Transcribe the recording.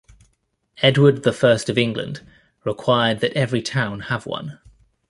Edward the First of England required that every town have one.